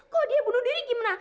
kok dia bunuh diri gimana